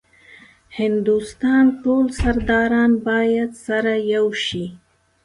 هندوستان ټول سرداران باید سره یو شي.